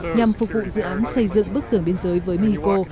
nhằm phục vụ dự án xây dựng bức tường biên giới với mexico